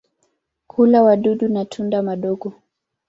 Hula wadudu na tunda madogo.